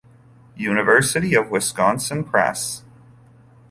University of Wisconsin Press.